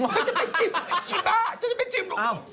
ฉันจะไปจิบผมจะไปจิบ